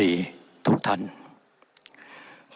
นับตั้งแต่นายุบันตรีไปถึงคณะบันตรีทุกทัน